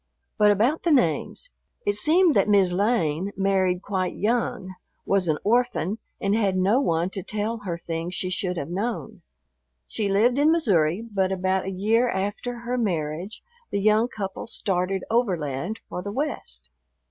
But about the names. It seemed that "Mis' Lane" married quite young, was an orphan, and had no one to tell her things she should have known. She lived in Missouri, but about a year after her marriage the young couple started overland for the West.